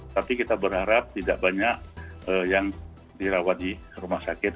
tapi kita berharap tidak banyak yang dirawat di rumah sakit